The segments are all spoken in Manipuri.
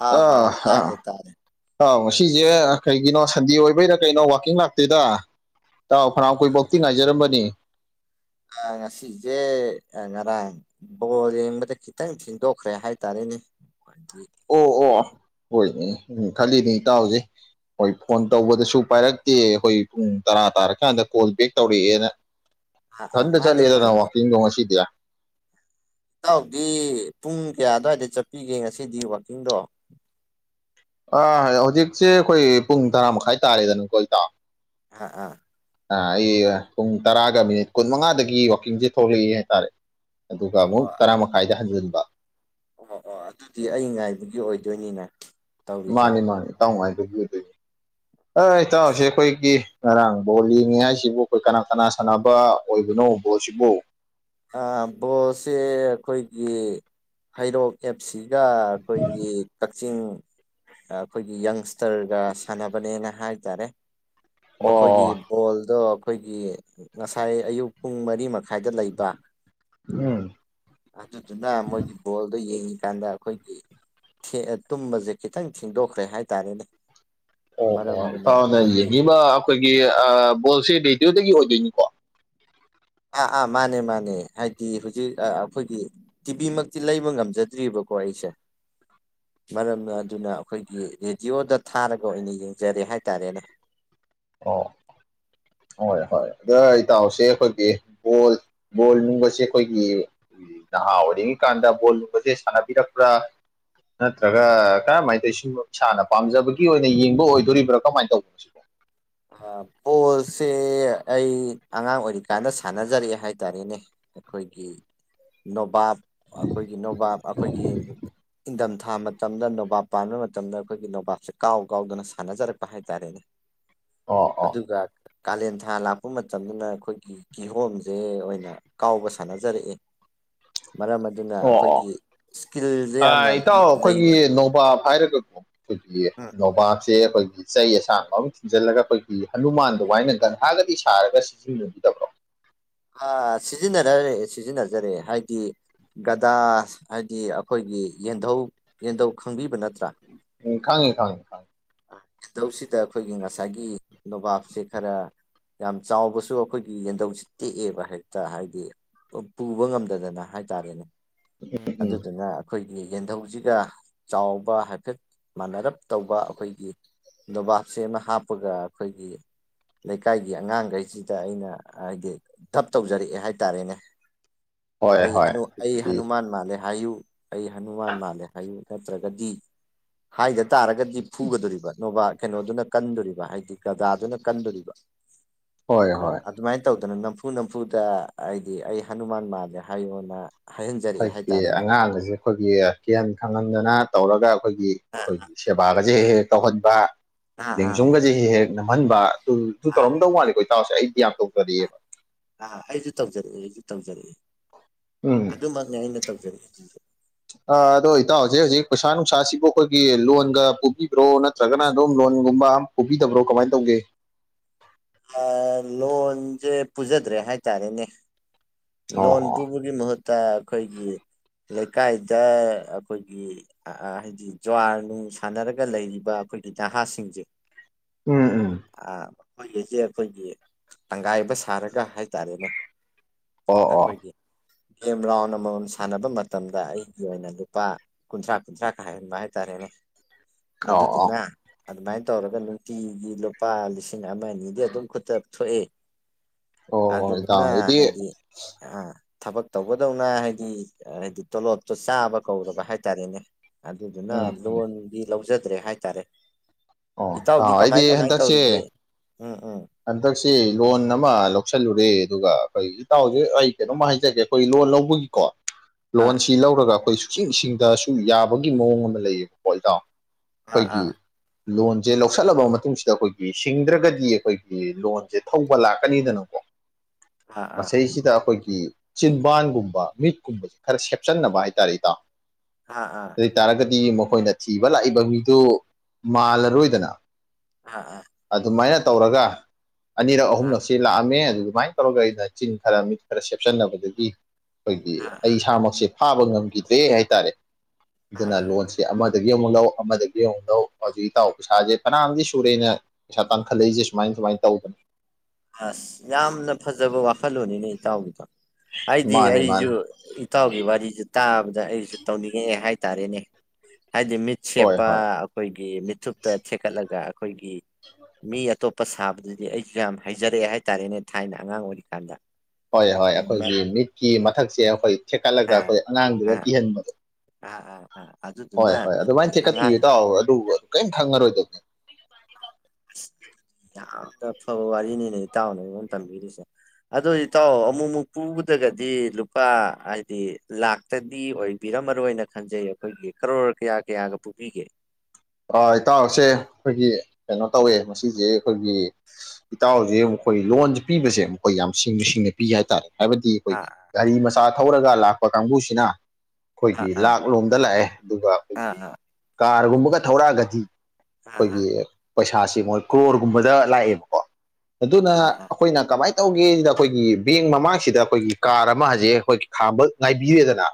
ꯍꯥꯎ ꯑ ꯍꯥꯎ ꯑ ꯇꯥꯔꯦ ꯇꯥꯔꯦ ꯑꯥꯎ ꯁꯤꯦ ꯀꯩꯒꯤꯅꯣ ꯁꯟꯗꯤ ꯑꯣꯏꯕꯩꯔ ꯀꯩꯅꯣ ꯋꯥꯋꯥꯛꯀꯤꯡ ꯂꯥꯛꯇꯣꯏꯗ ꯇꯥꯎ ꯐꯅꯥꯌꯥꯝ ꯀꯨꯣꯏꯕꯣꯛꯇꯤ ꯉꯥꯏꯖꯔꯝꯕꯅꯤ ꯑ ꯉꯁꯤꯁꯦ ꯉꯔꯥꯡ ꯕꯣꯔ ꯌꯦꯡꯕꯗ ꯈꯤꯇꯪ ꯊꯤꯟꯗꯣꯛꯈ꯭ꯔꯦ ꯍꯥꯏꯇꯥꯔꯦꯅꯦ ꯎꯝ ꯑꯣ ꯑꯣ ꯍꯣꯏꯅꯦ ꯎꯝ ꯈꯜꯂꯤꯅꯦ ꯏꯇꯥꯎꯁꯦ ꯍꯣꯏ ꯐꯣꯟ ꯇꯧꯕꯗꯁꯨ ꯄꯥꯏꯔꯛꯇꯦ ꯑꯩꯈꯣꯏ ꯄꯨꯡ ꯇꯔꯥ ꯇꯥꯔꯀꯥꯟꯗ ꯀꯣꯜ ꯕꯦꯛ ꯇꯧꯔꯛꯑꯦꯅ ꯑꯥ ꯑꯥ ꯊꯟꯗ ꯃꯥꯅꯦ ꯆꯗ ꯃꯥꯅꯦ ꯋꯥꯀꯤꯡꯒ ꯃꯁꯤꯗꯌꯥ ꯏꯇ ꯍꯥꯎꯗꯤ ꯄꯨꯡ ꯀꯌꯥ ꯑꯗꯨꯋꯥꯏꯗ ꯆꯠꯄꯤꯒꯦ ꯉꯁꯤꯗꯤ ꯋꯥꯛꯀꯤꯡꯗꯣ ꯑ ꯍꯧꯖꯤꯛꯁꯦ ꯑꯩꯈꯣꯏ ꯄꯨꯡ ꯇꯔꯥ ꯃꯈꯥꯏ ꯇꯥꯔꯦꯗꯅꯀꯣ ꯏꯇꯥ ꯑꯥ ꯑꯥ ꯑꯩ ꯄꯨꯡ ꯇꯔꯥꯒ ꯃꯤꯅꯤꯠ ꯀꯨꯟꯃꯉꯥꯗꯒꯤ ꯋꯥꯛꯀꯤꯡꯁꯦ ꯊꯣꯛꯂꯛꯏ ꯍꯥꯏꯇꯥꯔꯦ ꯑꯗꯨꯒ ꯑꯣ ꯑꯃꯨꯛ ꯇꯔꯥ ꯃꯈꯥꯏꯗ ꯍꯟꯖꯤꯟꯕ ꯑꯣ ꯑꯣ ꯑꯗꯨꯗꯤ ꯑꯩ ꯉꯥꯏꯕꯒꯤ ꯑꯣꯏꯗꯣꯏꯅꯤꯅꯦ ꯇꯧꯔꯤꯁꯦ ꯃꯥꯅꯤ ꯃꯥꯅꯤ ꯇꯥꯎ ꯉꯥꯏꯕꯒꯤ ꯑꯗꯨꯗꯒꯤ ꯑꯩ ꯏꯇꯥꯎꯁꯦ ꯑꯩꯈꯣꯏꯒꯤ ꯉꯔꯥꯡ ꯕꯣꯜ ꯌꯦꯡꯉꯤ ꯍꯥꯏꯁꯤꯕꯨ ꯑꯩꯈꯣꯏ ꯀꯅꯥ ꯀꯅꯥ ꯁꯥꯟꯅꯕ ꯑꯣꯏꯕꯅꯣ ꯕꯣꯜꯁꯤꯕꯨ ꯕꯣꯁꯦ ꯑꯩꯈꯣꯏꯒꯤ ꯍꯩꯔꯣꯛ ꯑꯦꯞꯁꯤ ꯑꯩꯈꯣꯏꯒꯤ ꯆꯤꯡ ꯑꯩꯈꯣꯏꯒꯤ ꯌꯪꯁꯇꯔꯒ ꯁꯥꯟꯅꯕꯅꯦꯅ ꯍꯥꯏꯇꯥꯔꯦ ꯃꯈꯣꯏꯒꯤ ꯑꯣ ꯕꯣꯜꯗꯣ ꯑꯩꯈꯣꯏꯒꯤ ꯉꯁꯥꯏ ꯑꯌꯨꯛ ꯄꯨꯡ ꯃꯔꯤ ꯃꯈꯥꯏꯗ ꯂꯩꯕ ꯎꯝ ꯑꯗꯨꯗꯨꯅ ꯃꯣꯏꯒꯤ ꯕꯣꯜꯗꯣ ꯌꯦꯡꯉꯤ ꯀꯥꯟꯗ ꯑꯩꯈꯣꯏꯒꯤ ꯇꯨꯝꯕꯁꯦ ꯈꯤꯇꯪ ꯊꯦꯡꯗꯣꯛꯈ꯭ꯔꯦ ꯍꯥꯏꯇꯥꯔꯦꯅꯦ ꯑꯣ ꯑꯣ ꯃꯔꯝꯗꯨꯅ ꯏꯐꯥꯎꯅ ꯑꯩꯈꯣꯏꯒꯤ ꯌꯦꯡꯉꯤꯕ ꯑꯩꯈꯣꯏꯒꯤ ꯕꯣꯜꯁꯤꯗꯤ ꯑꯗꯨꯗꯒꯤ ꯑꯣꯏꯗꯣꯏꯅꯤꯀꯣ ꯑꯥ ꯑꯥ ꯃꯥꯅꯦ ꯃꯥꯅꯦ ꯍꯥꯏꯗꯤ ꯍꯧꯖꯤꯛ ꯑꯩꯈꯣꯏꯒꯤ ꯇꯤꯚꯃꯛꯇꯤ ꯂꯩꯕ ꯉꯝꯖꯗ꯭ꯔꯤꯕ ꯀꯣꯏꯁꯦ ꯃꯔꯝꯅ ꯑꯗꯨꯅ ꯑꯩꯈꯣꯏꯒꯤ ꯔꯦꯗꯤꯑꯣꯗ ꯊꯥꯔꯒ ꯑꯣꯏꯅ ꯌꯦꯡꯖꯔꯦ ꯍꯥꯏꯇꯥꯔꯦꯅꯦ ꯑ ꯍꯣꯏ ꯍꯣꯏ ꯑꯗ ꯏꯇꯥꯎꯁꯦ ꯑꯩꯈꯣꯏꯒꯤ ꯕꯣꯜ ꯕꯣꯜ ꯅꯨꯡꯕꯁꯦ ꯑꯩꯈꯣꯏꯒꯤ ꯅꯍ ꯑꯣꯏꯔ ꯀꯥꯟꯗ ꯣꯂꯅꯨꯡꯕꯁꯦ ꯁꯥꯟ ꯄꯔ ꯄꯨꯔꯥ ꯅꯠꯇ꯭ꯔꯒ ꯀꯔꯝꯃꯥꯏꯅ ꯇꯧꯋ ꯁ ꯏꯁꯥꯅ ꯄꯥꯝꯖꯕꯒꯤ ꯑꯣꯏꯅ ꯌꯦꯡꯕ ꯑꯣꯏꯗꯣꯔꯤꯕ꯭ꯔꯥ ꯀꯃꯥꯏꯅ ꯇꯧꯕꯅꯣ ꯁꯤꯕꯣ [inaudible] ꯐꯕꯣꯜꯁꯦ ꯑꯩ ꯑꯉꯥꯡ ꯑꯣꯏꯔꯤꯀꯥꯟꯗ ꯁꯥꯟꯅꯖꯔꯛꯑꯦ ꯍꯥꯏꯇꯥꯔꯦꯅꯦ ꯑꯩꯈꯣꯏꯒꯤ ꯅꯣꯕꯥꯞ ꯑꯩꯈꯣꯏꯒꯤ ꯅꯣꯕꯥꯞ ꯑꯩꯈꯣꯏꯒꯤ ꯏꯪꯊꯝꯊꯥ ꯃꯇꯝꯗ ꯅꯣꯕꯥꯞ ꯄꯥꯟꯕ ꯃꯇꯝꯗ ꯑꯩꯈꯣꯏꯒꯤ ꯅꯣꯕꯥꯁꯦ ꯀꯥꯎ ꯀꯥꯎꯗꯅ ꯁꯥꯟꯅꯖꯔꯛꯄ ꯍꯥꯏꯇꯥꯔꯦꯅꯦ ꯑꯣ ꯑꯣ ꯑꯗꯨꯒ ꯀꯥꯂꯦꯟ ꯊꯥ ꯂꯥꯛꯄ ꯃꯇꯝꯗꯅ ꯑꯩꯈꯣꯏꯒꯤ ꯀꯤꯍꯣꯝꯁꯦ ꯑꯣꯏꯅ ꯀꯥꯎꯕ ꯁꯥꯟꯅꯖꯔꯛꯑꯦ [inaudible] [inaudible] ꯃꯔꯝ ꯑꯗꯨꯅ ꯑꯣ ꯑꯩꯈꯣꯏꯒꯤ ꯏꯁꯀꯤꯜꯁꯦ ꯌꯥꯝꯅ ꯑꯣ ꯏꯇꯥꯎ ꯑꯩꯈꯣꯏꯒꯤ ꯂꯩꯕ ꯅꯣꯕꯥꯞ ꯍꯥꯏꯔꯛ ꯁ ꯅꯣꯕꯥꯖ ꯁꯦ ꯑꯩꯈꯣꯏꯒꯤ ꯆꯩ ꯑꯁꯥꯡꯕ ꯑꯃꯝ ꯊꯤꯟꯖꯤꯜꯂꯒ ꯑꯩꯈꯣꯏꯒꯤ ꯍꯅꯨꯃꯥꯟ ꯑꯗꯨꯃꯥꯏꯅ ꯒꯟꯍꯥꯒꯗꯤ ꯁꯥꯔꯒ ꯁꯤꯖꯤꯟꯅꯕꯤꯗꯕ꯭ꯔꯣ [inaudible] ꯑ ꯁꯤꯖꯤꯟꯅꯔꯔꯦ ꯁꯤꯖꯤꯟꯅꯖꯔꯦ ꯍꯥꯏꯗꯤ ꯒꯗꯥ ꯍꯥꯏꯗꯤ ꯑꯩꯈꯣꯏꯒꯤ ꯌꯦꯟꯙꯧ ꯌꯦꯟꯙꯧ ꯈꯪꯕꯤꯕ ꯅꯠꯇ꯭ꯔꯥ ꯎ ꯈꯪꯉꯦ ꯈꯪꯉꯦ ꯈꯪꯉꯦ ꯗꯧꯁꯤꯗ ꯑꯩꯈꯣꯏꯒꯤ ꯉꯁꯥꯏꯒꯤ ꯅꯣꯕꯥꯞꯁꯦ ꯈꯔ ꯌꯥꯝ ꯆꯥꯎꯕꯁꯨ ꯑꯩꯈꯣꯏꯒꯤ ꯌꯦꯟꯊꯧꯧꯁꯤꯦ ꯇꯦꯛꯑꯦꯕ ꯍꯦꯛꯇ ꯍꯥꯏꯗꯤ ꯄꯨꯕ ꯉꯝꯗꯗꯅ ꯍꯥꯏꯇꯥꯔꯦꯅꯦ ꯑꯗꯨꯗꯨꯅ [inaudible] ꯑꯩꯈꯣꯏꯒꯤ ꯌꯦꯟꯙꯊꯧꯁꯤꯒ ꯆꯥꯎꯕ ꯍꯥꯏꯐꯦꯠ ꯃꯥꯟꯅꯔꯞ ꯇꯧꯕ ꯑꯩꯈꯣꯏ ꯂꯣꯕꯥꯞꯁꯦ ꯑꯃ ꯍꯥꯞꯄꯒ ꯑꯩꯈꯣꯏꯒꯤ ꯂꯩꯀꯥꯏꯒꯤ ꯑꯉꯥꯡꯈꯩꯁꯤꯗ ꯑꯩꯅ ꯍꯥꯏꯗꯤ ꯊꯞ ꯇꯧꯖꯔꯛꯑꯦ ꯍꯥꯏꯇꯥꯔꯦꯅꯦ ꯍꯣꯏ ꯑꯩ ꯍꯣꯏ ꯍꯅꯨ ꯑꯩ ꯑꯩꯈꯣꯏꯒꯤ ꯍꯅꯨꯃꯥꯟ ꯃꯥꯂꯦ ꯍꯥꯏꯌꯨ ꯑꯩ ꯍꯅꯨꯃꯥꯟ ꯃꯥꯜꯂꯦ ꯍꯥꯏꯌꯨ ꯅꯠꯇ꯭ꯔꯒꯗꯤ ꯍꯥꯏꯗ ꯇꯥꯔꯒꯗꯤ ꯐꯨꯒꯗꯣꯔꯤꯕ ꯅꯣꯕꯥ ꯀꯩꯅꯣꯗꯨꯅ ꯀꯟꯗꯣꯔꯤꯕ ꯍꯥꯏꯗꯤ ꯗꯥꯗꯨꯅ ꯀꯟꯗꯣꯔꯤꯕ ꯍꯣꯏ ꯑ ꯍꯣꯏ ꯑꯗꯨꯗ ꯃꯥꯏ ꯇꯧ ꯑꯗꯨꯅ ꯅꯝꯐꯨ ꯅꯝꯐꯨꯗ ꯑꯩꯗꯤ ꯑꯩ ꯍꯅꯨꯃꯥꯟ ꯃꯥꯜꯂꯦ ꯍꯥꯏꯌꯣꯅ ꯍꯥꯏꯍꯟꯖꯔꯛꯑꯦ ꯑꯩꯈꯣꯏꯒꯤ ꯍꯥꯏꯇꯥꯔꯦꯅꯦ ꯑꯉꯥꯡꯁꯦ ꯑꯩꯈꯣꯏꯒꯤ ꯀꯤꯍꯟ ꯈꯪꯍꯟꯗꯅ ꯇꯧꯔꯒ ꯑꯩꯈꯣꯏꯒꯤ ꯑꯩꯈꯣꯏꯒꯤ ꯁꯦꯕꯥꯒꯁꯦ ꯍꯦꯛ ꯍꯦꯛ ꯇꯧꯍꯟꯕ ꯑꯥ ꯑꯥ ꯂꯦꯡꯖꯨꯝꯒꯁꯦ ꯍꯦꯛ ꯍꯦꯛ ꯅꯝꯍꯟꯕ ꯑꯗꯨ ꯇꯧꯔꯝꯗꯧ ꯃꯥꯜꯂꯦꯈꯣ ꯏ ꯇꯥꯁꯦ ꯑꯩ ꯒ꯭ ꯌꯥꯝ ꯇꯧꯖꯔꯛꯑꯦꯕ ꯑꯥ ꯑꯩꯁꯨ ꯇꯧꯖꯔꯛꯑꯦ ꯑꯩꯁꯨ ꯇꯧꯖꯔꯛꯑꯦ ꯎꯝ ꯑꯗꯨꯃꯛꯅꯦ ꯑꯩꯅ ꯇꯧꯖꯔꯛꯏꯗꯨꯁꯨ ꯑꯗꯣ ꯏ ꯇ ꯍꯧꯖꯤꯦ ꯍꯧꯖꯤ ꯄꯁꯥꯅ ꯁꯥꯁꯤ ꯑꯩꯈꯣꯏꯒꯤ ꯂꯣꯟꯒ ꯄꯨꯕꯤꯕ꯭ꯔꯣ ꯅꯠꯇ꯭ꯔꯒꯅ ꯑꯗꯨꯝ ꯂꯣꯟꯒꯨꯝꯕ ꯄꯨꯕꯤꯗꯕ꯭ꯔꯣ ꯀꯃꯥꯏꯅ ꯇꯧꯒꯦ [unintelligible] ꯑ, ꯂꯣꯟꯁꯦ ꯄꯨꯖꯗ꯭ꯔꯦ ꯍꯥꯏꯇꯥꯔꯦꯅꯦ ꯂꯣꯟ ꯑꯣ ꯑꯣ ꯄꯨꯕꯒꯤ ꯃꯍꯨ ꯇ ꯑꯩꯈꯣꯏꯒꯤ ꯂꯩꯀꯥꯏꯗ ꯑꯩꯈꯣꯏꯒꯤ ꯍꯥꯏꯗꯤ ꯖ꯭ꯋꯥꯔ ꯅꯨꯡ ꯁꯥꯟꯅꯔꯒ ꯂꯩꯔꯤꯕ ꯎ ꯐꯒꯤꯗ ꯍꯥꯁꯤꯡꯖ ꯎꯝ ꯎꯝ ꯑꯩꯈꯣꯏꯒꯤꯁꯦ ꯑꯩꯈꯣꯏꯒꯤ ꯇꯪꯒꯥꯏꯕ ꯁꯥꯔꯒ ꯍꯥꯏꯇꯥꯔꯦꯅꯦ ꯑꯣ ꯑꯣ ꯑꯩꯈꯣꯏꯒꯤ ꯒꯦꯝ ꯔꯥꯎꯟ ꯑꯃꯃꯝ ꯁꯥꯟꯅꯕ ꯃꯇꯝꯗ ꯑꯩꯒꯤ ꯑꯣꯏꯅ ꯂꯨꯄꯥ ꯀꯨꯟꯊ꯭ꯔꯥ ꯀꯨꯟꯊ꯭ꯔꯥꯒꯥꯏꯍꯟꯕ ꯍꯥꯏꯇꯥꯔꯦꯅꯦ ꯑꯣ ꯑꯣ ꯑꯗꯨꯗꯨꯂ ꯑꯗꯨꯃꯥꯏꯅ ꯇꯧꯔꯒ ꯅꯨꯡꯇꯤꯒꯤ ꯂꯨꯄꯥ ꯂꯤꯁꯤꯡ ꯑꯃ ꯑꯅꯤꯗꯤ ꯑꯗꯨꯝ ꯈꯨꯠꯇ ꯊꯣꯛꯑꯦ ꯑꯣ ꯏꯇꯥꯎ ꯑꯗꯨꯗꯨꯅ ꯑꯩꯗꯤ ꯍꯥꯏꯗꯤ ꯑ ꯊꯕꯛ ꯇꯧꯕꯗꯧꯅ ꯍꯥꯏꯗꯤ ꯍꯥꯏꯗꯤ ꯇꯣꯂꯣꯞꯇꯣ ꯆꯥꯕ ꯀꯧꯒ ꯍꯥꯏꯇꯥꯔꯦꯅꯦ ꯑꯗꯨꯗꯨꯅ ꯎꯝ ꯎꯝ ꯂꯣꯟꯗꯤ ꯂꯧꯖꯗ꯭ꯔꯦ ꯍꯥꯏꯇꯥꯔꯦ ꯑꯣ ꯏꯇꯥꯎꯗꯤ ꯇꯥꯑꯣ ꯀꯃꯥꯏ ꯑꯩꯗꯤ ꯀꯃꯥꯏ ꯍꯟꯗꯛꯁꯦ ꯇꯧꯔꯤꯒꯦ ꯎꯝ ꯎꯝ ꯍꯟꯗꯛꯁꯤ ꯂꯣꯟ ꯑꯃ ꯂꯧꯁꯤꯜꯂꯨꯔꯦ ꯑꯗꯨꯒ ꯑꯩꯈꯣꯏ ꯏꯇꯥꯎꯁꯛ ꯑꯩ ꯀꯩꯅꯣꯝꯃ ꯍꯥꯏꯖꯒꯦ ꯑꯩꯈꯣꯏ ꯂꯣꯟ ꯂꯧꯕꯒꯤꯀꯣ ꯂꯣꯟ ꯑꯥ ꯁꯤ ꯂꯧꯔꯒ ꯑꯩꯈꯣꯏ ꯍꯧꯤꯡꯁꯤꯡꯗꯁꯨ ꯌꯥꯕꯒꯤ ꯃꯑꯣꯡ ꯑꯃ ꯂꯩꯌꯦꯕꯀꯣꯜꯗꯥꯎꯟ ꯑꯥ ꯑꯥ ꯑꯩꯈꯣꯏꯒꯤ ꯂꯣꯟꯁꯦ ꯂꯧꯁꯤꯜꯂꯕ ꯃꯇꯨꯡꯁꯤꯗ ꯑꯩꯈꯣꯏꯒꯤ ꯁꯤꯡꯗ꯭ꯔꯒꯗꯤ ꯑꯩꯈꯣꯏꯒꯤ ꯂꯣꯟꯁꯦ ꯊꯧꯕ ꯂꯥꯛꯀꯅꯤꯗꯅꯀꯣ ꯑꯥ ꯁꯁꯤꯗ ꯑꯩꯈꯣꯏ ꯆꯤꯟꯕꯥꯟꯒꯨꯝꯕ ꯃꯤꯠꯀꯨꯝꯕꯕꯁꯤꯦ ꯈꯔ ꯁꯦꯞꯆꯟꯅꯕ ꯍꯥꯏꯇꯥꯔꯦ ꯏꯇꯥꯎ ꯑꯥ ꯑꯥ ꯗꯤ ꯃꯈꯣꯏꯅ ꯊꯤꯕ ꯂꯥꯛꯏꯕ ꯃꯤꯗꯨ ꯃꯥꯜꯂꯔꯣꯏꯗꯅ ꯑꯥ ꯑꯥ ꯑꯗꯨꯃꯥꯏꯅ ꯇꯧꯔꯒ ꯑꯅꯤꯔꯛ ꯑꯥ ꯑꯍꯨꯝꯂꯛꯁꯤ ꯂꯥꯛꯑꯝꯃꯦ ꯑꯗꯨꯒ ꯑꯗꯨꯃꯥꯏꯅ ꯇꯧꯔꯒ ꯑꯩꯅ ꯆꯤꯟ ꯈꯔ ꯃꯤꯠ ꯈꯔ ꯁꯦꯞꯆꯟꯅꯕꯗꯒꯤ ꯑꯩꯈꯣꯏꯒꯤ ꯑꯥ ꯑꯩ ꯑꯥ ꯏꯁꯥꯃꯛꯁꯦ ꯐꯥꯕ ꯉꯝꯈꯤꯗ꯭ꯔꯦ ꯍꯥꯏꯇꯥꯔꯦ ꯑꯥ ꯑꯗꯨꯅ ꯂꯣꯟꯁꯦ ꯑꯃꯗꯒꯤ ꯑꯃꯡꯨꯛ ꯂꯧ ꯑꯃꯗꯒꯤ ꯑꯃꯡꯨꯛ ꯂꯧ ꯍꯧꯖꯤꯛ ꯏꯇꯥꯎ ꯄꯩꯁꯥꯁꯦ ꯀꯅꯥꯝꯗꯤ ꯁꯨꯔꯦꯅ ꯄꯩꯁꯥ ꯇꯥꯟꯈꯠꯂꯛꯏꯁꯦ ꯁꯨꯃꯥꯏ ꯁꯨꯃꯥꯏꯅ ꯇꯧꯕꯗꯅꯦ ꯑꯁ ꯌꯥꯝꯅ ꯐꯖꯕ ꯋꯥꯈꯜꯂꯣꯟꯅꯤꯅꯦ ꯏꯆꯥꯎꯒꯤꯗꯣ ꯍꯥꯏꯗꯤ ꯃꯥꯅꯦ ꯃꯥꯅꯦ ꯑꯩꯁꯨ ꯏꯇꯥꯎꯒꯤ ꯋꯥꯔꯤꯁꯨ ꯇꯥꯕꯗ ꯑꯩꯁꯨ ꯇꯧꯅꯤꯡꯉꯛꯑꯦ ꯍꯥꯏꯦ ꯍꯥꯏꯇꯥꯔꯦꯅꯦ ꯍꯥꯏꯗꯤ ꯃꯤꯠ ꯍꯣꯏ ꯁꯦꯞꯄ ꯍꯣꯏ ꯑꯩꯈꯣꯏꯒꯤ ꯃꯤꯠꯊꯨꯞꯇ ꯊꯦꯛꯀꯠꯂꯒ ꯑꯩꯈꯣꯏꯒꯤ ꯃꯤ ꯑꯇꯣꯞꯄ ꯁꯥꯕꯗꯗꯤ ꯑꯩꯁꯨ ꯌꯥꯝ ꯍꯩꯖꯔꯛꯑꯦ ꯍꯥꯏꯇꯥꯔꯦꯅꯦ ꯊꯥꯏꯅ ꯑꯉꯥꯡ ꯑꯣꯏꯔꯤꯀꯥꯟꯗ ꯍꯣꯏ ꯍꯣꯏ ꯑꯥ ꯑꯩꯈꯣꯏꯒꯤ ꯃꯤꯠꯀꯤ ꯃꯊꯛꯁꯦ ꯑꯩꯈꯣꯏ ꯊꯦꯛꯀꯠꯂꯒ ꯑꯥ ꯑꯩꯈꯣꯏ ꯑꯉꯥꯡꯗꯨꯗ ꯑꯥ ꯀꯤꯍꯟꯕꯗꯣ ꯑꯥ ꯑ ꯑꯥ ꯑꯗꯨꯗꯨꯅ ꯀꯩꯝ ꯊꯪꯉꯔꯣꯏꯗꯗꯤ ꯑꯁ ꯌꯥꯝꯅ ꯐꯕ ꯋꯥꯔꯤꯅꯤꯅꯦ ꯏꯇꯥꯎꯅꯉꯣꯟ ꯇꯝꯕꯤꯔꯤꯁꯦ ꯑꯗꯨ ꯏꯇꯥꯎ ꯑꯃꯨꯛ ꯑꯃꯨꯛ ꯄꯨꯕꯗꯒꯗꯤ ꯂꯨꯄꯥ ꯍꯥꯏꯗꯤ ꯂꯥꯛꯇꯗꯤ ꯑꯣꯏꯕꯤꯔ ꯃꯔꯨꯑꯣꯏ ꯑꯣꯏꯅ ꯈꯟꯖꯩ ꯑꯩꯈꯣꯏꯒꯤ ꯀꯔꯣꯔ ꯀꯌꯥ ꯀꯌꯥꯒ ꯄꯨꯕꯤꯒꯦ ꯏꯇꯥꯎꯁꯦ ꯑꯩꯈꯣꯏꯒꯤ ꯀꯩꯅꯣ ꯇꯧꯋꯦ ꯃꯁꯤꯁꯦ ꯑꯩꯈꯣꯏꯒꯤ ꯏꯇꯥꯎꯁꯦ ꯑꯃꯨꯛ ꯑꯩꯈꯣꯏ ꯂꯣꯟꯁꯦ ꯄꯤꯕꯁꯦ ꯑꯈꯣꯏ ꯌꯥꯝ ꯁꯤꯡꯅ- ꯁꯤꯡꯅ ꯄꯤ ꯍꯥꯏꯇꯥꯔꯦ ꯍꯥꯏꯕꯗꯤ ꯑꯥ ꯑꯩꯈꯣꯏꯒꯤ ꯒꯥꯔꯤ ꯃꯆꯥ ꯊꯧꯔꯒ ꯂꯥꯛꯄ ꯀꯥꯡꯕꯨꯁꯤꯅ ꯑꯥ ꯑꯩꯈꯣꯏꯒꯤ ꯑꯥ ꯂꯥꯛꯂꯣꯝꯗ ꯂꯥꯛꯑꯦ ꯑꯗꯨꯒ ꯑꯩꯈꯣꯏꯒꯤ ꯑꯥ ꯀꯥꯔꯒꯨꯝꯕꯒ ꯊꯧꯔꯛꯑꯒꯗꯤ ꯑꯥ ꯑꯥ ꯑꯥ ꯑꯩꯈꯣꯏꯒꯤ ꯄꯩꯁꯥꯥꯁꯦ ꯃꯣꯏ ꯀ꯭ꯔꯣꯔꯒꯨꯝꯕꯗ ꯂꯥꯛꯑꯦꯕꯀꯣ ꯑꯗꯨꯅ ꯑꯥ ꯑꯥ ꯑꯥ ꯑꯩꯈꯣꯏꯅ ꯀꯃꯥꯏ ꯇꯧꯒꯦꯁꯤꯗ ꯑꯩꯈꯣꯏꯒꯤ ꯕꯦꯡ ꯃꯃꯥꯡꯁꯤꯗ ꯑꯩꯈꯣꯏꯒꯤ ꯀꯥꯔ ꯑꯃ ꯍꯧꯖꯤꯛ ꯑꯩꯈꯣꯏ ꯈꯥꯝꯕ ꯉꯥꯏꯕꯤꯔꯦꯗꯅ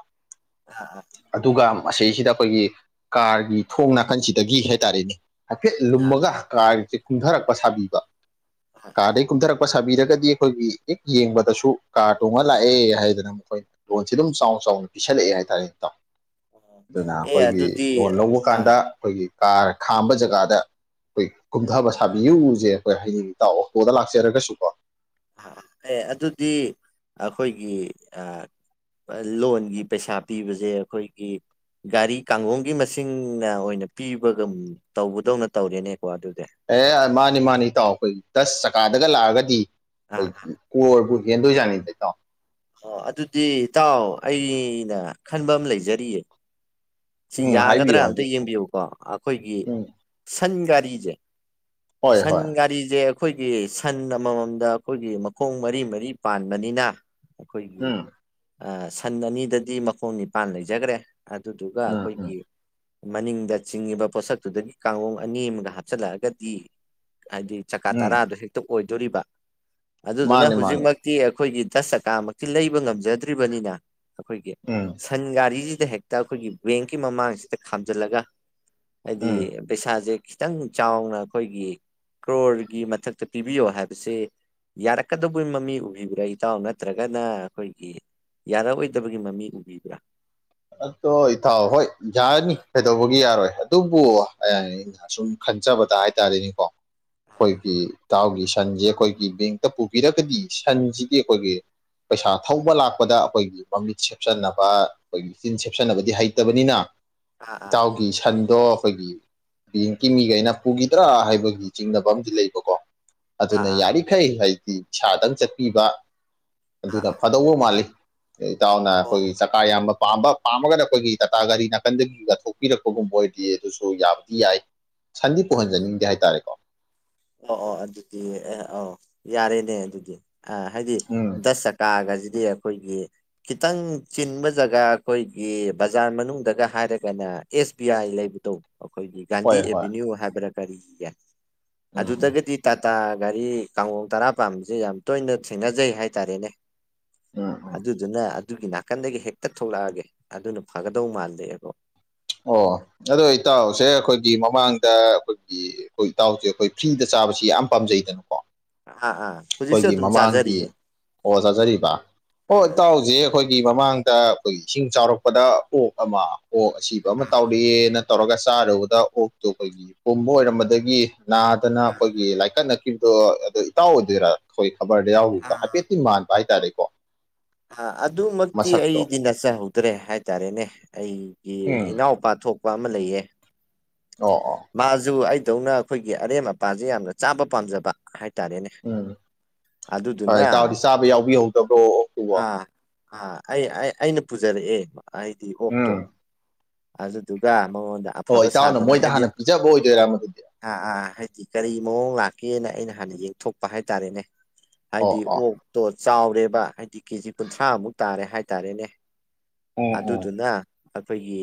ꯑꯥ ꯑꯗꯨꯒ ꯃꯁꯤꯁꯤꯗ ꯑꯩꯈꯣꯏꯒꯤ ꯀꯥꯔꯒꯤ ꯊꯣꯡꯅ ꯑꯍꯟꯁꯤꯗꯒꯤ ꯍꯥꯏꯇꯥꯔꯦꯅꯦ ꯍꯥꯏꯐꯦꯠ ꯂꯨꯝꯃꯒ ꯑꯥ ꯀꯥꯔꯁꯦ ꯀꯨꯝꯊꯔꯛꯄ ꯁꯥꯕꯤꯕ ꯑꯥ ꯑꯥ ꯀꯥꯔꯗꯒꯤ ꯀꯨꯝꯊꯔꯛꯄ ꯁꯥꯕꯤꯔꯒꯗꯤ ꯑꯩꯈꯣꯏꯒꯤ ꯍꯦꯛ ꯌꯦꯡꯕꯗꯁꯨ ꯀꯥꯔ ꯇꯣꯡꯉ ꯂꯥꯛꯑꯦ ꯍꯥꯏꯗꯅ ꯃꯈꯣꯏ ꯂꯣꯟꯁꯦ ꯑꯗꯨꯝ ꯆꯥꯎꯅ -ꯆꯥꯎꯅ ꯄꯤꯁꯜꯂꯛꯑꯦ ꯍꯥꯏꯇꯥꯔꯦ ꯏꯇꯥꯎ ꯑꯗꯨꯅ ꯑꯦ ꯑꯩꯈꯣꯏꯒꯤ ꯑꯗꯨꯗꯤ ꯂꯣꯟ ꯂꯧꯕ ꯑꯥ ꯀꯥꯟꯗ ꯑꯩꯈꯣꯏꯒꯤ ꯀꯥꯔ ꯈꯥꯝꯕ ꯖꯒꯥꯗ ꯑꯩꯈꯣꯏ ꯀꯨꯝꯊꯕ ꯁꯥꯕꯤꯌꯨꯁꯦ ꯑꯩꯈꯣꯏ ꯍꯌꯦꯡ ꯏꯇꯥꯎ ꯑꯣꯇꯣꯗ ꯂꯥꯛꯆꯔꯒꯁꯨꯀꯣ ꯑꯦ ꯑꯗꯨꯗꯤ ꯑꯩꯈꯣꯏꯒꯤ ꯂꯣꯟꯒꯤ ꯄꯩꯁꯥ ꯄꯤꯕꯁꯦ ꯑꯩꯈꯣꯏꯒꯤ ꯒꯥꯔꯤ ꯀꯥꯡꯒꯣꯡꯒꯤ ꯃꯁꯤꯡꯅ ꯑꯣꯏꯅ ꯄꯤꯕꯒ ꯇꯧꯕꯗꯧꯅ ꯇꯧꯔꯦꯅꯦ ꯑꯦ ꯃꯥꯅꯤ -ꯃꯥꯅꯤ ꯏꯇꯥꯎ ꯑꯩꯈꯣꯏ ꯗꯁ ꯆꯀꯥꯗꯒ ꯂꯥꯛꯑꯒꯗꯤ ꯑꯥ ꯑꯩꯈꯣꯏ ꯀꯣꯔꯕꯨ ꯌꯦꯟꯗꯨ ꯌꯥꯅꯤꯗ ꯏꯇꯥꯎ ꯑꯣ ꯑꯗꯨꯗꯤ ꯏꯇꯥꯎ ꯑꯩꯅ ꯈꯟꯕ ꯑꯃ ꯂꯩꯖꯔꯤꯌꯦ ꯁꯤ ꯎꯝ ꯌꯥꯒꯗ꯭ꯔ ꯍꯥꯏꯕꯤꯌꯨ ꯑꯝꯇ ꯍꯥꯏꯕꯤꯌꯨ ꯌꯦꯡꯕꯤꯌꯨꯀꯣ ꯑꯩꯈꯣꯏꯒꯤ ꯎꯝ ꯁꯟ ꯒꯥꯔꯤꯖꯦ ꯍꯣꯏ ꯍꯣꯏ ꯁꯟꯒꯥꯔꯤꯖꯦ ꯑꯩꯈꯣꯏꯒꯤ ꯁꯟ ꯑꯃꯃꯝꯅ ꯑꯩꯈꯣꯏꯒꯤ ꯃꯈꯣꯡ ꯃꯔꯤ- ꯃꯔꯤ ꯄꯥꯟꯕꯅꯤꯅ ꯑꯩꯈꯣꯏꯒꯤ ꯎꯝ ꯁꯟ ꯑꯅꯤꯗꯗꯤ ꯃꯈꯣꯡ ꯅꯤꯄꯥꯟ ꯂꯩꯖꯈ꯭ꯔꯦ ꯑꯗꯨ ꯑ- ꯑ ꯃꯅꯤꯡꯗ ꯆꯤꯡꯉꯤꯕ ꯄꯣꯠꯁꯛꯇꯨꯗꯒꯤ ꯀꯥꯡꯈꯣꯡ ꯑꯅꯤ ꯑꯃꯒ ꯍꯥꯞꯆꯤꯜꯂꯛꯑꯒꯗꯤ ꯍꯥꯏꯗꯤ ꯆꯀꯥ ꯎꯝ ꯇꯔꯥꯗꯣ ꯍꯦꯛꯇ ꯑꯣꯏꯗꯣꯔꯤꯕ ꯑꯗꯨꯗꯨꯅ ꯃꯥꯅꯤ ꯃꯥꯅꯤ ꯍꯧꯖꯤꯛꯃꯛꯇꯤ ꯑꯩꯈꯣꯏꯒꯤ ꯆꯁ ꯆꯀꯥꯃꯛꯇꯤ ꯂꯩꯕ ꯉꯝꯖꯗ꯭ꯔꯤꯕꯅꯤꯅ ꯑꯩꯈꯣꯏꯒꯤ ꯎꯝ ꯁꯟ ꯒꯥꯔꯤꯁꯤꯗ ꯍꯦꯛꯇ ꯑꯩꯈꯣꯏꯒꯤ ꯕꯦꯡꯀꯤ ꯃꯃꯥꯡꯁꯤꯗ ꯈꯥꯝꯖꯤꯜꯂꯒ ꯍꯥꯏꯗꯤ ꯎꯝ ꯄꯩꯁꯥꯖꯦ ꯈꯤꯇꯪ ꯆꯥꯎꯅ ꯑꯩꯈꯣꯏꯒꯤ ꯀ꯭ꯔꯣꯔꯒꯤ ꯃꯊꯛꯇ ꯄꯤꯕꯤꯌꯣ ꯍꯥꯏꯕꯁꯦ ꯌꯥꯔꯛꯀꯗꯕꯩ ꯃꯃꯤ ꯎꯕꯤꯕ꯭ꯔꯥ ꯏꯇꯥꯎ ꯅꯠꯇ꯭ꯔꯒꯅ ꯑꯩꯈꯣꯏꯒꯤ ꯌꯥꯔꯛꯑꯣꯏꯗꯕꯒꯤ ꯃꯃꯤ ꯎꯕꯤꯕ꯭ꯔꯥ ꯑꯗꯣ ꯏꯇꯥꯎ ꯍꯣꯏ ꯌꯥꯔꯅꯤ ꯀꯩꯗꯧꯕꯒꯤ ꯌꯥꯔꯣꯏ ꯑꯗꯨꯕꯨ ꯑꯩꯅ ꯁꯨꯝ ꯈꯟꯖꯕꯗ ꯍꯥꯏꯇꯥꯔꯦꯅꯦꯀꯣ ꯑꯩꯈꯣꯏꯒꯤ ꯏꯇꯥꯎꯒꯤ ꯁꯟꯁꯦ ꯑꯩꯈꯣꯏꯒꯤ ꯕꯦꯡꯛꯇ ꯄꯨꯕꯤꯔꯒꯗꯤ ꯁꯟꯁꯤꯗꯤ ꯑꯩꯈꯣꯏꯒꯤ ꯄꯩꯁꯥ ꯊꯧꯕ ꯂꯥꯛꯄꯗ ꯑꯩꯈꯣꯏꯒꯤ ꯃꯃꯤꯠ ꯁꯦꯞꯆꯟꯅꯕ ꯑꯩꯈꯣꯏꯒꯤ ꯃꯤꯠ ꯁꯦꯞꯆꯟꯅꯕꯗꯤ ꯍꯩꯇꯕꯅꯤꯅ ꯑꯥ ꯏꯇꯥꯎꯒꯤ ꯁꯟꯗꯣ ꯑꯩꯈꯣꯏꯒꯤ ꯕꯦꯡꯀꯤ ꯃꯤꯒꯩꯅ ꯄꯨꯈꯤꯗ꯭ꯔꯥ ꯍꯥꯏꯕꯒꯤ ꯆꯤꯡꯅꯕ ꯑꯃꯗꯤ ꯂꯩꯕꯀꯣ ꯑꯥ ꯑꯗꯨꯅ ꯑꯥ ꯌꯥꯔꯤꯈꯩ ꯍꯥꯏꯗꯤ ꯏꯁꯥꯗꯪ ꯆꯠꯄꯤꯕ ꯑꯥ ꯑꯥ ꯑꯗꯨꯗ ꯑꯥ ꯐꯗꯧꯕ ꯃꯥꯜꯂꯤ ꯏꯇꯥꯎꯅ ꯑꯣ ꯑꯩꯈꯣꯏꯒꯤ ꯆꯀꯥ ꯌꯥꯝꯕ ꯄꯥꯝꯕ ꯄꯥꯝꯃꯒꯅ ꯑꯩꯈꯣꯏꯒꯤ ꯇꯥꯇꯥ ꯒꯥꯔꯤ ꯅꯥꯀꯟꯗꯒꯤ ꯀꯊꯣꯛꯄꯤꯔꯛꯄꯒꯨꯝꯕ ꯑꯣꯏꯔꯗꯗꯤ ꯑꯗꯨꯁꯨ ꯌꯥꯕꯗꯤ ꯌꯥꯏ ꯁꯟꯗꯤ ꯑꯣ ꯄꯨꯍꯟꯖꯅꯤꯡꯗꯦ ꯍꯥꯏꯇꯥꯔꯦꯀꯣ ꯑꯣ- ꯑꯣ ꯑꯗꯨꯗꯤ ꯑꯦ ꯑ ꯌꯥꯔꯦꯅꯦ ꯑꯗꯨꯗꯤ ꯑ ꯍꯥꯏꯗꯤ ꯎꯝ ꯗꯁ ꯆꯛꯀꯥꯒꯁꯤ ꯗꯤ ꯑꯩꯈꯣꯏꯒꯤ ꯈꯤꯇꯪ ꯆꯤꯟꯕ ꯖꯒꯥ ꯑꯩꯈꯣꯏꯒꯤ ꯕꯖꯥꯔ ꯃꯅꯨꯡꯗꯒ ꯍꯥꯏꯔꯒꯅ ꯑꯦꯁ ꯕꯤ ꯑꯥꯏ ꯂꯩꯕꯗꯣ ꯑꯩꯈꯣꯏꯒꯤ ꯒꯥꯟꯙꯤ ꯍꯣꯏ ꯍꯣꯏ ꯑꯦꯚꯤꯅ꯭ꯌꯨ ꯍꯥꯏꯕ꯭ꯔꯥ ꯀꯔꯤ ꯌꯥꯏ ꯎꯝ ꯎꯝ ꯑꯗꯨꯗꯒꯗꯤ ꯇꯇꯥ ꯒꯥꯔꯤ ꯀꯥꯡꯈꯣꯡ ꯇꯔꯥ ꯄꯥꯟꯖꯦ ꯌꯥꯝ ꯇꯣꯏꯅ ꯊꯦꯡꯅꯖꯩ ꯍꯥꯏꯇꯥꯔꯦꯅꯦ ꯎꯝ ꯎꯝ ꯑꯗꯨꯗꯨꯅ ꯑꯗꯨꯒꯤ ꯅꯥꯀꯟꯗꯒꯤ ꯍꯦꯛꯇ ꯊꯣꯛꯂꯛꯑꯒꯦ ꯑꯗꯨꯅ ꯐꯒꯗꯧꯕ ꯃꯥꯜꯂꯦꯕꯣ ꯑꯣ ꯑꯗꯣ ꯏꯇꯥꯎꯁꯦ ꯑꯩꯈꯣꯏꯒꯤ ꯃꯃꯥꯡꯗ ꯑꯩꯈꯣꯏꯒꯤ ꯑꯩꯈꯣꯏ ꯏꯇꯥꯎꯁꯦ ꯑꯩꯈꯣꯏ ꯐ꯭ꯔꯤꯗ ꯆꯠ ꯆꯥꯕꯁꯤ ꯌꯥꯝ ꯄꯥꯝꯖꯩꯗꯅꯀꯣ ꯑꯥ ꯑꯥ ꯍꯧꯖꯤꯛꯁꯨ ꯑꯩꯈꯣꯏꯒꯤ ꯑꯗꯨꯝ ꯃꯃꯥꯡꯒꯤ ꯆꯥꯖꯔꯤꯌꯦ ꯑꯣ ꯆꯥꯖꯔꯤꯕ ꯑꯣ ꯑꯥ ꯏꯇꯥꯎꯁꯦ ꯑꯩꯈꯣꯏ ꯑꯩꯒꯤ ꯃꯃꯥꯡꯗ ꯑꯩꯈꯣꯏꯒꯤ ꯏꯁꯤꯡ ꯆꯥꯎꯔꯛꯄꯗ ꯑꯣꯛ ꯑꯃ ꯑꯣꯛ ꯑꯁꯤꯕ ꯑꯃ ꯑꯥ ꯇꯥꯎꯔꯛꯑꯦ ꯇꯧꯔꯒ ꯆꯥꯔꯨꯕꯗ ꯑꯣꯛꯇꯨ ꯑꯩꯈꯣꯏꯒꯤ ꯄꯨꯝꯕ ꯑꯣꯏꯔꯝꯕꯗꯒꯤ ꯅꯥꯗꯅ ꯑꯥ ꯑꯩꯈꯣꯏꯒꯤ ꯂꯥꯏꯀꯠꯅ ꯗꯣ ꯑꯗꯣ ꯏꯇꯥꯎ ꯑꯣꯏꯗꯣꯏꯔꯥ ꯑꯩꯈꯣꯏ ꯈꯕꯔꯗ ꯑꯥ ꯌꯥꯎꯗꯣ ꯍꯥꯏꯐꯦꯠꯇꯤ ꯃꯥꯟꯕ ꯍꯥꯏꯇꯥꯔꯦꯀ ꯑꯗꯨꯃꯛꯇꯤ ꯃꯁꯛꯇꯣ ꯑꯩꯗꯤ ꯅꯠꯆꯍꯧꯗ꯭ꯔꯦ ꯍꯥꯏꯇꯥꯔꯦꯅꯦ ꯑꯩꯒꯤ ꯎꯝ ꯏꯅꯥꯎꯄꯥ ꯊꯣꯛꯄ ꯑꯃ ꯂꯩꯌꯦ ꯑꯣ ꯑꯣ ꯃꯥꯁꯨ ꯑꯩ ꯗꯧꯅ ꯑꯩꯈꯣꯏꯒꯤ ꯑꯔꯦꯝ ꯑꯄꯥꯁꯦ ꯌꯥꯝꯅ ꯆꯥꯕ ꯄꯥꯝꯖꯕ ꯍꯥꯏ ꯇꯦꯅꯦ ꯎꯝ ꯍꯣꯏ ꯑꯗꯨꯗꯨꯅ ꯏꯇꯥꯎꯗꯤ ꯆꯥꯕ ꯌꯥꯎꯕꯤꯍꯧꯗꯕ꯭ꯔꯣ ꯑꯣꯛꯇꯨꯕꯣ ꯑꯥ ꯑꯥ ꯑꯩ ꯑꯩꯅ ꯄꯨꯖꯔꯛꯑꯦ ꯑꯩꯗꯤ ꯑꯣꯛꯇꯣ ꯎꯝ ꯑꯗꯨꯗꯨꯒ ꯃꯉꯣꯟꯗ ꯑꯣ ꯑꯐꯕ ꯏꯇꯥꯎꯅ ꯁꯥꯗꯅ ꯃꯣꯏꯗ ꯍꯥꯏꯗꯤ ꯍꯥꯟꯅ ꯄꯤꯖꯕ ꯑꯣꯏꯗꯣꯏꯔꯥ ꯃꯗꯨꯗꯤ ꯑꯥ ꯑꯥ ꯍꯥꯏꯗꯤ ꯀꯔꯤ ꯃꯑꯣꯡ ꯂꯥꯛ ꯀꯦꯅ ꯑꯩꯅ ꯍꯥꯟꯅ ꯌꯦꯡꯊꯣꯛꯄ ꯍꯥꯏꯇꯥꯔꯦꯅꯦ ꯍꯥꯏꯗꯤ ꯑꯣ ꯑꯣ ꯑꯣꯛꯇꯣ ꯆꯥꯎꯔꯦꯕ ꯍꯥꯏꯗꯤ ꯀꯦꯖꯤ ꯀꯨꯟꯊ꯭ꯔꯥꯃꯨꯛ ꯇꯥꯔꯦ ꯍꯥꯏꯇꯥꯔꯦꯅꯦ ꯎꯝ ꯎꯝ ꯑꯗꯨꯗꯨꯅ ꯑꯩꯈꯣꯏꯒꯤ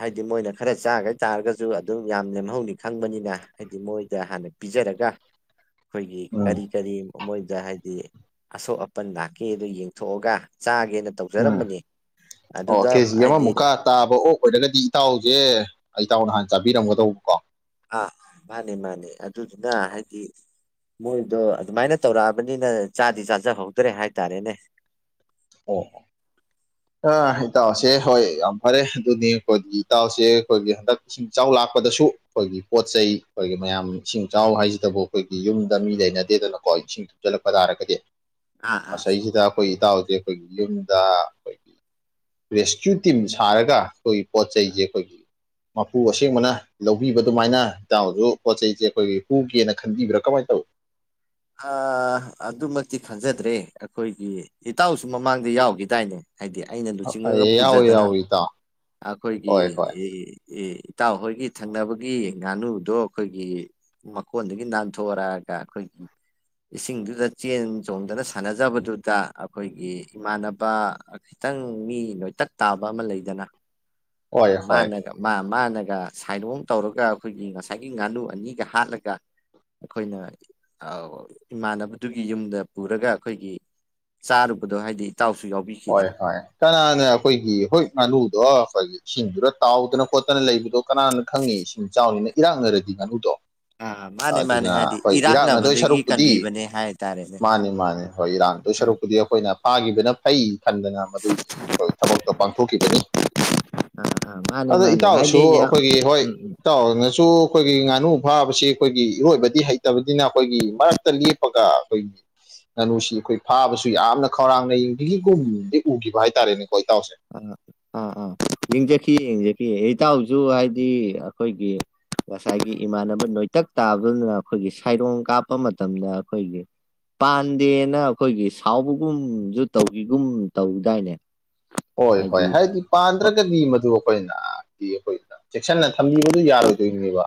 ꯍꯥꯏꯗꯤ ꯃꯣꯏꯅ ꯈꯔ ꯆꯥꯈ ꯇꯥꯔꯒꯁꯨ ꯑꯗꯨꯝ ꯌꯥꯝ ꯅꯦꯝꯍꯧꯅꯤ ꯈꯪꯕꯅꯤꯅ ꯍꯥꯏꯗꯤ ꯍꯥꯏꯗꯤ ꯃꯣꯏꯗ ꯍꯥꯟꯅ ꯄꯤꯖꯔꯒ [inaudible] [inaudible] ꯑꯩꯈꯣꯏꯒꯤ ꯎꯝ ꯀꯔꯤ ꯀꯔꯤ ꯃꯣꯏꯗ ꯍꯥꯏꯗꯤ ꯑꯁꯣꯛ ꯑꯄꯟ ꯂꯥꯛꯀꯦꯗ ꯌꯦꯡꯊꯣꯛꯑꯒ ꯆꯥꯒꯦꯅ ꯎꯝ ꯇꯧꯖꯔꯝꯕꯅꯤ ꯑꯣ ꯑꯗꯨꯗ ꯀꯦꯖꯤ ꯍꯥꯏꯗꯤ ꯑꯃꯃꯨꯛꯀ ꯇꯥꯕ ꯑꯣꯛ ꯑꯣꯏꯔꯒꯗꯤ ꯏꯇꯥꯎꯁꯦ ꯏꯇꯥꯎꯅꯍꯥꯟ ꯆꯥꯕꯤꯔꯝꯒꯗꯧꯕ ꯀꯣ ꯑꯥ ꯃꯥꯅꯤ ꯃꯥꯅꯤ ꯑꯗꯨꯗꯨꯅ ꯍꯥꯏꯗꯤ ꯃꯣꯏꯗꯣ ꯑꯗꯨꯃꯥꯏꯅ ꯇꯧꯔꯛꯑꯕꯅꯤꯅ ꯆꯥꯗꯤ ꯆꯥꯖꯍꯧꯗ꯭ꯔꯦ ꯍꯥꯏꯇꯥꯔꯦꯅꯦ ꯑꯣ ꯑ ꯏꯇꯥꯎꯁꯦ ꯍꯣꯏ ꯌꯥꯝ ꯐꯔꯦ ꯑꯗꯨꯅꯤ ꯑꯩꯈꯣꯏꯒꯤ ꯏꯇꯥꯎꯁꯦ ꯑꯩꯈꯣꯏꯒꯤ ꯍꯟꯗꯛ ꯏꯁꯤꯡ ꯆꯥꯎ ꯂꯥꯛꯄꯗꯁꯨ ꯑꯩꯈꯣꯏꯒꯤ ꯄꯣꯠ ꯆꯩ ꯑꯩꯈꯣꯏꯒꯤ ꯃꯌꯥꯝ ꯏꯁꯤꯡ ꯆꯥꯎ ꯍꯥꯏꯁꯤꯗꯕꯨ ꯑꯩꯈꯣꯏꯒꯤ ꯌꯨꯝꯗ ꯃꯤ ꯂꯩꯅꯗꯦ ꯀ ꯏꯁꯤꯡ ꯊꯨꯝꯁꯤꯜꯂꯛꯄ ꯇꯥꯔꯒꯗꯤ ꯑꯥ ꯑꯥ ꯉꯁꯥꯏꯁꯤꯗ ꯑꯩꯈꯣꯏ ꯏꯇꯥꯎ ꯑꯩꯈꯣꯏꯒꯤ ꯌꯨꯝꯗ ꯑꯩꯈꯣꯏꯒꯤ ꯔꯦꯁꯀ꯭ꯌꯨ ꯇꯤꯝ ꯁꯥꯔꯒ ꯑꯩꯣꯏ ꯄꯣ ꯆꯩꯩꯦ ꯑꯩꯣꯏꯒꯤ ꯃꯄꯨ ꯑꯁꯦꯡꯕꯅ ꯂꯧꯕꯤꯕ ꯑꯗꯨꯃꯥꯏꯅ ꯍꯥꯡꯁꯨ ꯄꯣꯠ ꯆꯩꯁꯦ ꯑꯩꯈꯣꯏꯒꯤ ꯍꯒꯦꯅ ꯈꯟꯕꯤꯕ꯭ꯔꯥ ꯀꯃꯥꯏꯅ ꯇꯧꯋꯏꯤ [inaudible] ꯑꯗꯨꯃꯛꯇꯤ ꯈꯪꯖꯗ꯭ꯔꯦ ꯑꯩꯈꯣꯏꯒꯤ ꯏꯇꯥꯎꯁꯨ ꯃꯃꯥꯡꯗ ꯌꯥꯎꯈꯤꯗꯥꯏꯅꯦ ꯍꯥꯏꯗꯤ ꯑꯩꯅ ꯂꯨꯆꯤꯡꯉꯒ ꯇꯧꯏ ꯌꯥꯎꯋꯤ ꯄꯨꯖꯗꯅ ꯌꯥꯎꯋꯤ ꯏꯇꯥꯎ ꯑꯩꯈꯣꯏꯒꯤ ꯍꯣꯏ ꯍꯣꯏ ꯑꯦ ꯏꯇꯥꯎ ꯍꯍꯣꯏꯒꯤ ꯊꯪꯅꯕꯒꯤ ꯉꯥꯅꯨꯗꯣ ꯑꯩꯈꯣꯏꯒꯤ ꯃꯀꯣꯟꯗꯒꯤ ꯅꯥꯟꯊꯣꯛꯒ ꯈꯣꯏ [inaudible] ꯏꯁꯤꯡꯗꯨꯗ ꯆꯦꯟ ꯆꯣꯡꯗꯅ ꯁꯥꯟꯅꯖꯕꯗꯨꯗ ꯑꯩꯈꯣꯏꯒꯤ ꯏꯃꯥꯟꯅꯕ ꯈꯤꯇꯪ ꯃꯤ ꯂꯣꯏꯇꯛ ꯇꯥꯕ ꯑꯃ ꯂꯩꯗꯅ ꯍꯣꯏ ꯍꯣꯏ ꯃꯥꯅ ꯃꯥ ꯃꯥꯅꯒ ꯁꯥꯏꯗꯣꯝ ꯇꯧꯔꯒ ꯑꯩꯈꯣꯏꯒꯤ ꯉꯁꯥꯏꯒꯤ ꯉꯥꯅꯨ ꯑꯅꯤꯒ ꯍꯥꯠꯂꯒ ꯑꯩꯈꯣꯏꯅ ꯑꯧ ꯏꯃꯥꯟꯅꯕꯗꯨꯒꯤ ꯌꯨꯝꯗ ꯄꯨꯔꯒ ꯑꯩꯈꯣꯏꯒꯤ ꯆꯥꯔꯨꯕꯗꯣ ꯍꯥꯏꯗꯤ ꯏꯇꯥꯎꯁꯨ ꯍꯣꯏ ꯌꯥꯎꯕꯤꯈꯤꯗꯅ ꯍꯣꯏ ꯀꯅꯥꯅꯦ ꯑꯩꯈꯣꯏꯒꯤ ꯍꯣꯏ ꯉꯥꯅꯨꯗꯣ ꯑꯩꯈꯣꯏꯒꯤ ꯏꯁꯤꯡꯗꯨꯗ ꯇꯥꯎꯗꯅ ꯈꯣꯠꯇꯅ ꯂꯩꯕꯗꯣ ꯀꯅꯥꯅ ꯈꯪꯉꯤ ꯏꯁꯤꯡ ꯆꯥꯎꯅꯤꯅ ꯏꯔꯥꯡꯅꯔꯗꯤ ꯉꯥꯅꯨꯗꯣ ꯑꯥ ꯃꯥꯅꯦ ꯃꯥꯅꯦ ꯑꯗꯨꯅ ꯍꯥꯏꯗꯤ ꯍꯣꯏ ꯏꯔꯥꯛꯅꯗꯣꯏ ꯏꯔꯥꯛꯅꯕꯗꯒꯤ ꯁꯔꯨꯛꯄꯨꯗꯤ ꯀꯟꯕꯤꯕꯅꯦ ꯍꯥꯏꯇꯥꯔꯦꯅꯦ ꯎꯝ ꯃꯥꯅꯤ ꯃꯥꯅꯤ ꯍꯣꯏ ꯏꯔꯥꯛ ꯗ ꯁꯔꯨꯛꯄꯨꯗꯤ ꯑꯩꯈꯣꯏꯅ ꯐꯥꯈꯤꯕꯅ ꯐꯩ ꯈꯟꯗꯅ ꯃꯗꯨꯒꯤ ꯊꯕꯛꯇꯣ ꯄꯥꯡꯊꯣꯛꯈꯤꯕꯅꯤ ꯑꯥ ꯑꯥ ꯃꯥꯅꯤ ꯑꯗ ꯃꯥꯅꯤ ꯍꯥꯏꯗꯤ ꯏꯇꯥꯎꯁꯨ ꯌꯥꯝ ꯑꯩꯈꯣꯏꯒꯤ ꯍꯣꯏ ꯎꯝ ꯎꯝ ꯏꯇꯥꯎꯅꯁꯨ ꯑꯩꯈꯣꯏꯒꯤ ꯉꯥꯅꯨ ꯐꯥꯕꯁꯤ ꯑꯩꯈꯣꯏꯒꯤ ꯏꯔꯣꯏꯕꯗꯤ ꯍꯩꯇꯕꯅꯤꯅ ꯑꯩꯈꯣꯏꯒꯤ ꯃꯔꯛꯇ ꯂꯦꯞꯄꯒ ꯑꯩꯈꯣꯏꯒꯤ ꯉꯥꯅꯨꯁꯤ ꯑꯩꯈꯣꯏ ꯐꯥꯕꯁꯨ ꯌꯥꯝꯅ ꯈꯧꯔꯥꯡꯅ ꯌꯦꯡꯒꯤꯒꯨꯝꯗꯤ ꯎꯈꯤꯕ ꯍꯥꯏꯇꯥꯔꯦꯅꯦ ꯑ ꯑꯥ ꯑ ꯏꯪꯖꯀꯤ ꯏꯖ ꯏꯇꯥꯎꯁꯨ ꯍꯥꯏꯗꯤ ꯑꯩꯈꯣꯏꯒꯤ ꯉꯁꯥꯏꯒꯤ ꯏꯃꯥꯟꯅꯕ ꯅꯣꯏꯇꯛ ꯇꯥꯕꯗꯨꯅ ꯑꯩꯈꯣꯏꯒꯤ ꯁꯩꯔꯣꯡ ꯀꯥꯞꯄ ꯃꯇꯝꯗ ꯑꯩꯈꯣꯏꯒꯤ ꯄꯥꯟꯗꯦꯅ ꯑꯩꯈꯣꯏꯒꯤ ꯁꯥꯎꯕꯒꯨꯝꯁꯨ ꯇꯧꯈꯤꯒꯨꯝ ꯇꯧꯗꯥꯏꯅꯦ ꯍꯣꯏ ꯍꯣꯏ ꯍꯥꯏꯗꯤ ꯄꯥꯟꯗ꯭ꯔꯒꯗꯤ ꯃꯗꯨ ꯑꯩꯈꯣꯏꯅ ꯑꯩꯈꯣꯏ ꯆꯦꯛꯁꯤꯟꯅ ꯊꯝꯕꯤꯕꯗꯨ ꯌꯥꯔꯣꯏꯗ ꯂꯉꯕ